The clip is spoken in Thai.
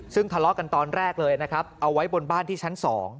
ซึ่งทะเลาะกันตอนแรกเลยนะครับเอาไว้บนบ้านที่ชั้น๒